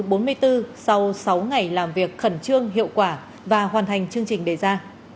sau sáu ngày làm việc khẩn trương hiệu quả và hoàn thành chương trình đề ra